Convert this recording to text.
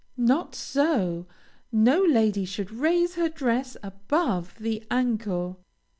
Not so! No lady should raise her dress above the ankle.